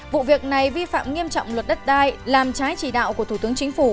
vụ việc này vi phạm nghiêm trọng luật đất đai làm trái chỉ đạo của thủ tướng chính phủ